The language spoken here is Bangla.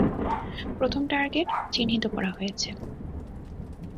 প্রথম টার্গেট, চিহ্নিত করা হয়েছে।